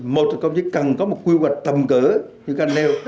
một là công chí cần có một quy hoạch tầm cỡ như canel